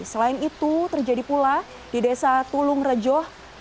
selain itu terjadi pula di desa tulung rejo